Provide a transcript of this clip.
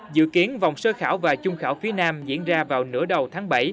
dự kiến vòng sơ khảo và trung khảo phía nam diễn ra vào nửa đầu tháng bảy